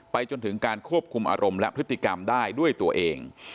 จนถึงการควบคุมอารมณ์และพฤติกรรมได้ด้วยตัวเอง